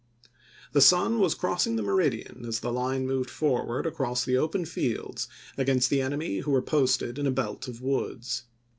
The sun was crossing the meridian as the line moved forward across the open fields against the enemy who were posted in a belt of woods.